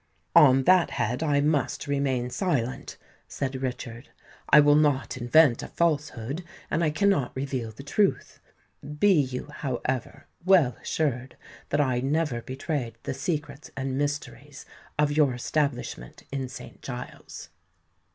"On that head I must remain silent," said Richard. "I will not invent a falsehood, and I cannot reveal the truth. Be you, however, well assured that I never betrayed the secrets and mysteries of your establishment in Saint Giles's."